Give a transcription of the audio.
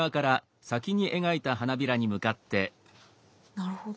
なるほど。